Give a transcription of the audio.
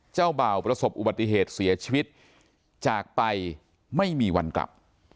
เจ้าบ่าวประสบอุบัติเหตุเสียชีวิตจากไปไม่มีวันกลับ